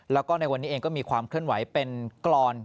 แล้วก็ในวันนี้เองก็มีความเคลื่อนไหวเป็นกรอน